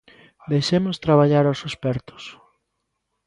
Deixemos traballar os expertos.